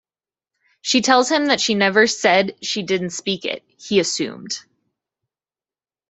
She tells him that she never said she didn't speak it, he assumed.